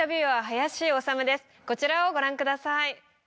こちらをご覧ください。